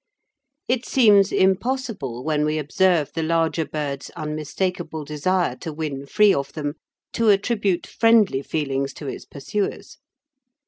It seems impossible, when we observe the larger bird's unmistakable desire to win free of them, to attribute friendly feelings to its pursuers.